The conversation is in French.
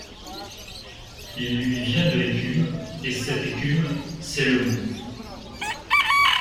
Il lui vient de l’écume, et cette écume, c’est le mot.